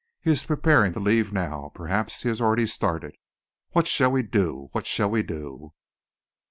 He is preparing to leave now; perhaps he has already started! What shall we do? What shall we do?"